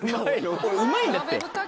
俺うまいんだって。